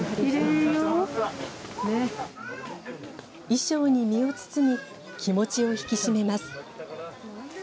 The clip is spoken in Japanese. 衣装に身を包み気持ちを引き締めます。